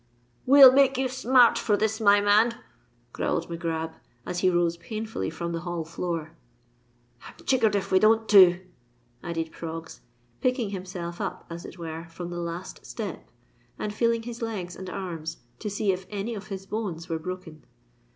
"We'll make you smart for this, my man!" growled Mac Grab, as he rose painfully from the hall floor. "I'm jiggered if we don't too!" added Proggs, picking himself up as it were from the last step, and feeling his legs and arms to see if any of his bones were broken.